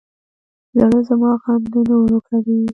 زړه زما غم د نورو کوي.